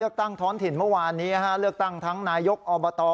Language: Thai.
ตั้งท้องถิ่นเมื่อวานนี้เลือกตั้งทั้งนายกอบต